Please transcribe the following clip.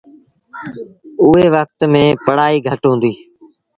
اُئي وکت ميݩ پڙهآئيٚ گھٽ هُݩديٚ۔